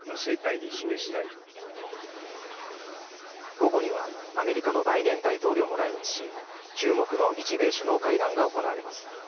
午後にはアメリカのバイデン大統領も来日し、注目の日米首脳会談が行われます。